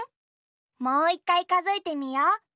もう１かいかぞえてみよう。